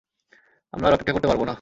আমরা আর অপেক্ষা করতে পারব না।